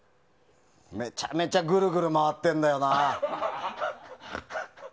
めちゃめちゃぐるぐる回ってるんだよな。